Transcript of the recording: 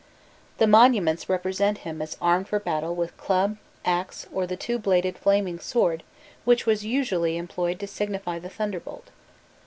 The monuments represent him as armed for battle with club, axe, or the two bladed flaming sword which was usually employed to signify the thunderbolt.